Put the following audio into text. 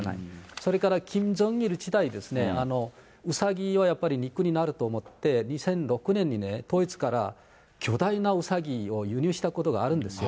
それからキム・ジョンイル自体ですね、うさぎはやっぱり肉になると思って、２００６年にね、ドイツから巨大なうさぎを輸入したことがあるんですよ。